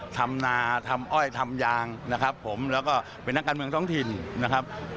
ทำนาทำอ้อยทำยางนะครับผมแล้วก็เป็นนักการเมืองท้องถิ่นนะครับ